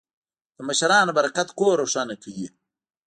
د مشرانو برکت کور روښانه کوي.